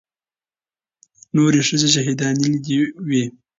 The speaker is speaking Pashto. نورې ښځې شهيدانېدلې وې.